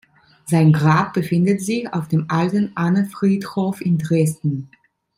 Sein Grab befindet sich auf dem Alten Annenfriedhof in Dresden.